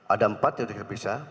ada empat yang terperiksa